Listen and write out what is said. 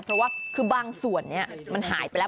เพราะว่าคือบางส่วนนี้มันหายไปแล้ว